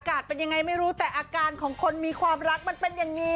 เป็นยังไงไม่รู้แต่อาการของคนมีความรักมันเป็นอย่างนี้